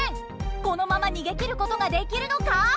このまま逃げきることができるのか！？